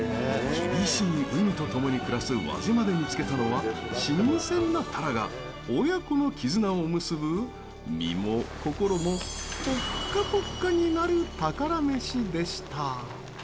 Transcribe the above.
厳しい海と共に暮らす輪島で見つけたのは新鮮なタラが親子の絆を結ぶ身も心もぽっかぽっかになる宝メシでした。